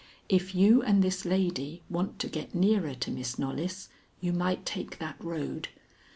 If you and this lady want to get nearer to Miss Knollys, you might take that road.